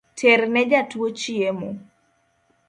Terne jatuo chiemo